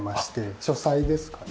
書斎ですかね。